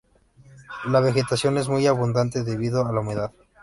La vegetación es muy abundante, debido a la humedad.